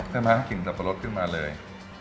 ใช่มั้ยกลิ่นสับปะรสขึ้นมาเลย